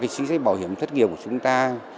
chính sách bảo hiểm thất nghiệp của chúng ta